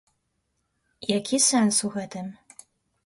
Які сэнс у гэтым?